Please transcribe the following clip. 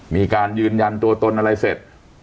มีการยืนยันตัวตนอะไรเสร็จ